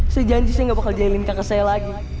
saya janji saya gak bakal ngejalin kakak saya lagi